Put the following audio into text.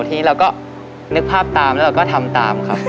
ทีนี้เราก็นึกภาพตามแล้วเราก็ทำตามครับ